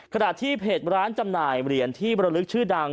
ขณะที่เพจร้านจำหน่ายเหรียญที่บรรลึกชื่อดัง